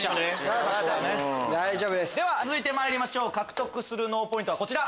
続いてまいりましょう獲得する脳ポイントはこちら。